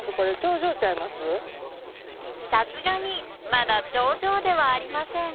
さすがにまだ頂上ではありません。